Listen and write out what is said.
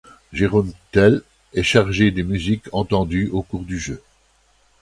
Jeroen Tel s'est chargé des musiques entendues au cours du jeu.